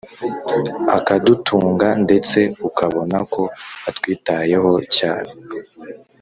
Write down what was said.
akadutunga ndetse ukabona ko atwitayeho cyane